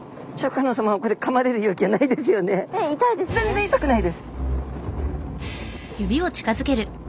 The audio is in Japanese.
全然痛くないです。